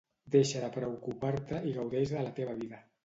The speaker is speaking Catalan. Deixa de preocupar-te i gaudeix de la teva vida.